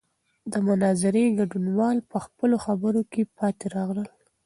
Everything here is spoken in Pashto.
د مناظرې ګډونوال په خپلو خبرو کې پاتې راغلل.